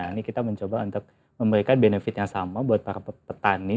ini kita mencoba untuk memberikan benefit yang sama buat para petani